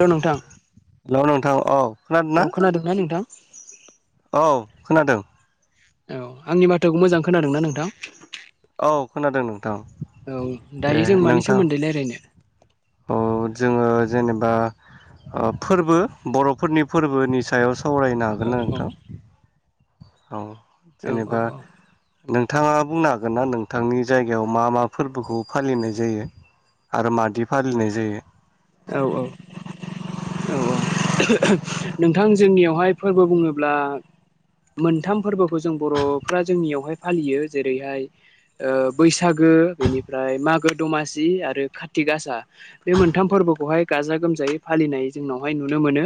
Hello नोंथां औ नोंथां औ औ खोनादों न नोंथां औ खोनादों औ आंनि बाथाखौ मोजां खोनादोंना नोंथां खोनादों नोंथां औ दे दायो जों मानि नोंथां सोमोन्दै रायजलायनो औ जोङो जेनेबा ओ फोरबो बर'फोरनि फोरबोनि सायाव सावरायनो हागोन न औ नोंथां औ औ औ जेनेबा नों नोंथाङा बुंनो हागोन ना नोंथांनि जायगायाव मा मा फोरबोखौ फालिनाय जायो आरो मादि फालिनाय जायो औ औ औ औ नोंथां जोंनियावहाय फोरबो बुङोब्ला मोनथाम फोरबोखौ जों बर'फ्रा जोंनियावहाय फालियो जेरैहाय बैसागो बेनिफ्राय मागो दमासि आरो कारतकासा बे मोनथाम फोरबो बेहाय गाजा गोमजायै फालिनाय जोंनावहाय नुनो मोनो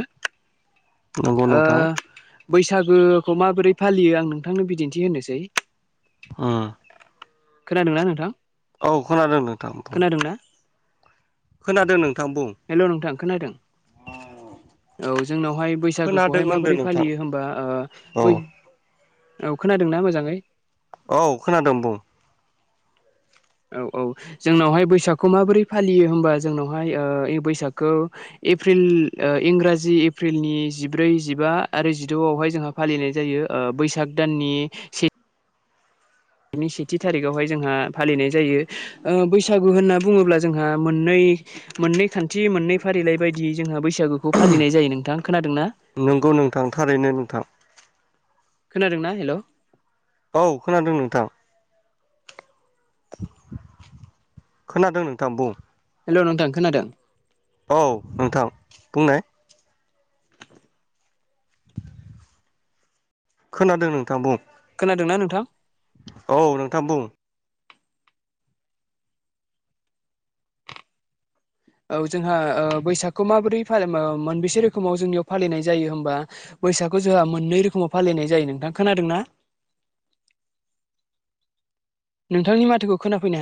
नंगौ ओ नोंथां बैसागोखौ माबोरै फालियो आं नोंथांनो बिदिन्थि होनोसै उम खोनादों ना नोंथां औ खोनादों नोंथां खोनादोंना खोनादों नों हेलौ नोंथां खोनादों, औ जोंनावहाय खोनादों बैसागोखौहाय होनदों माबोरै नोंथां फालियो होमबा ओ औ बै, औ खोनादों ना मोजाङै, औ खोनादों बुं, औ औ जोंनावहाय बैसागखौ माबोरै फालियो होमबा जोंनावहाय ओ बैसागखौ एप्रिल इंराजि एप्रिलनि जिब्रै जिबा आरो जिद'आवहाय जोंहा फालिनाय जायो। बैसाग दाननि सेथ नि सेथि थारिखावहाय जोंहा फालिनाय जायो बैसागु होनना बुङोब्ला जोंहा मोननै, मोननै खान्थि मोननै फारिलाइ बायदियै जोंहा बैसागुखौ फालिनाय जायो नोंथां, खोनादोंना? नंगौ नोंथां थारैनो नोंथां। खोनादोंना? हेलौ! औ खोनादों नोंथां। खोनादों नोंथां आ बुं हेलौ नोंथां खोनादों? औ नोंथां बुंनाय, खोनादों नोंथां बुं। खोनादोंना नोंथां? औ नोंथां बुं। औ जोंहा ओ बैसागखौ ओ माबोरै मोनबेसे रोखोमाव जोंनियाव फालिनाय जायो होमबा। बैसागु जोंहा मोननै रोखोमाव फालिनाय जायो नोंथां खोनादों ना? [inaudible] नोंथांनि माथोखौ खोनाफैनो हाया।